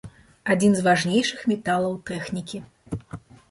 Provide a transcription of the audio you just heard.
Адзін з важнейшых металаў тэхнікі.